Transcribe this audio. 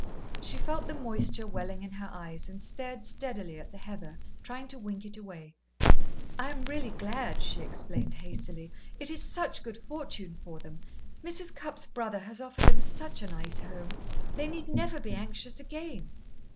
She felt the moisture welling in her eyes, and stared steadily at the heather, trying to wink it away. "I am really glad," she explained hastily. "It is such good fortune for them. Mrs. Cupp's brother has offered them such a nice home. They need never be anxious again."